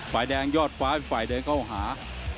ฝ่ายแดงยอดฟ้าเป็นฝ่ายเดินเข้าหา